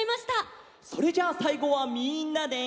それじゃあさいごはみんなで。